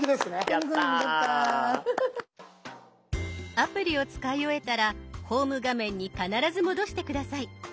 アプリを使い終えたらホーム画面に必ず戻して下さい。